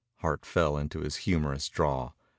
Hart fell into his humorous drawl.